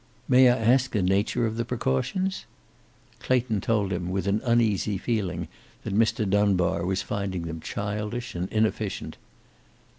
"May I ask the nature of the precautions?" Clayton told him, with an uneasy feeling that Mr. Dunbar was finding them childish and inefficient.